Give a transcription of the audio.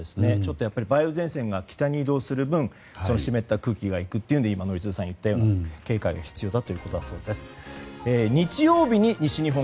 梅雨前線が北に移動する分湿った空気が行くというので宜嗣さんが言ったような今はもうマックあるし。